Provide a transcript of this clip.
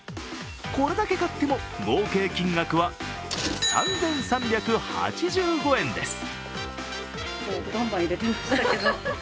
これだけ買っても合計金額は３３８５円です。